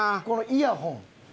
このイヤホン